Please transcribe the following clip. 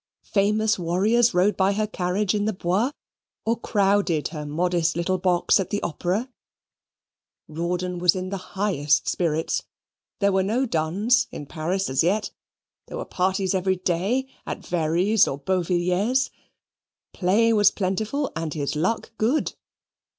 Famous warriors rode by her carriage in the Bois, or crowded her modest little box at the Opera. Rawdon was in the highest spirits. There were no duns in Paris as yet: there were parties every day at Very's or Beauvilliers'; play was plentiful and his luck good.